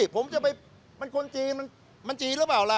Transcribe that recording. ผมจะไปมันคนจีนมันจีนหรือเปล่าล่ะ